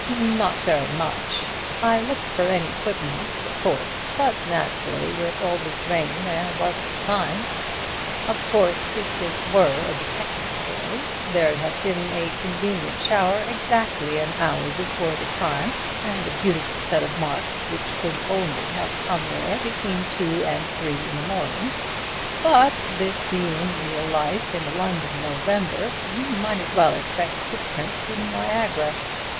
"Not very much. I looked for any footmarks of course, but naturally, with all this rain, there wasn't a sign. Of course, if this were a detective story, there'd have been a convenient shower exactly an hour before the crime and a beautiful set of marks which could only have come there between two and three in the morning, but this being real life in a London November, you might as well expect footprints in Niagara.